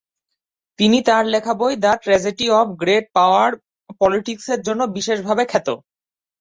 তিনি তার লেখা বই "the tragedy of great power পলিটিক্স"-র জন্য বিশেষ ভাবে খ্যাত।